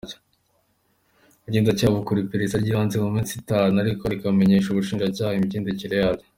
Ubugenzacyaha bukora iperereza ry’ibanze mu minsi itanu ariko rikamenyesha ubushinjacyaha imigendekere yaryo.